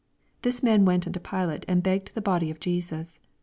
62 This mam, went unto Pilate, and be^i^ed the body of Jesus.